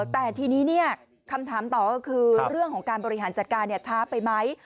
แต่ทีนี้คำถามต่อก็คือเรื่องของการบริหารจัดการช้าไปไหม